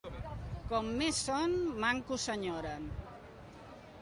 Com més són, manco s'enyoren.